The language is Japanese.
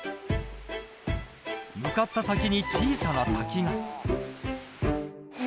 向かった先に小さな滝が。